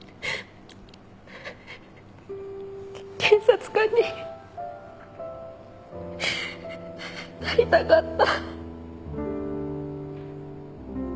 警察官になりたかった。